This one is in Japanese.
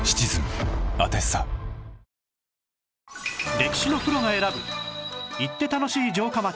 歴史のプロが選ぶ行って楽しい城下町